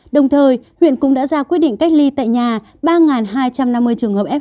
đồng thời huyện cũng đã ra quyết định cách ly tại nhà ba hai trăm năm mươi trường hợp f hai